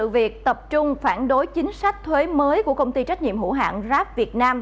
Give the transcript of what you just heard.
việc tập trung phản đối chính sách thuế mới của công ty trách nhiệm hữu hạng grab việt nam